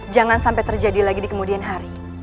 jangan sampai terjadi lagi di kemudian hari